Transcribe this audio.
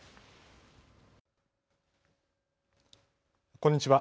こんにちは。